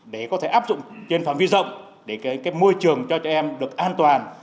để có thể áp dụng trên phòng vi rộng để cái môi trường cho trẻ em được an toàn